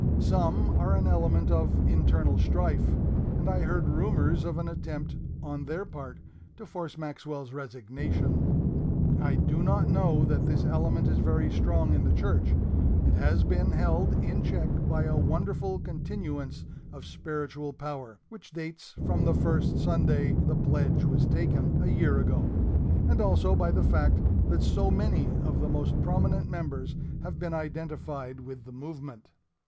Some are an element of internal strife, and I heard rumors of an attempt on their part to force Maxwell's resignation. I do not know that this element is very strong in the church. It has been held in check by a wonderful continuance of spiritual power, which dates from the first Sunday the pledge was taken a year ago, and also by the fact that so many of the most prominent members have been identified with the movement.